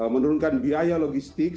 menurunkan biaya logistik